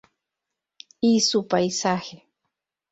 Y su paisaje.